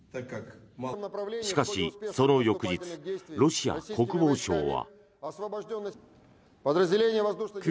しかし、その翌日ロシア国防省は。